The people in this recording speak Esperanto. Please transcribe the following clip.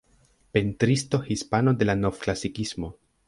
Pentristo hispano de la Novklasikismo.